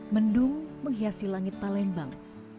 mendung menghiasi langit palembang